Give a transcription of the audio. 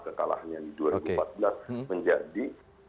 kekalahannya di dua ribu empat belas menjadi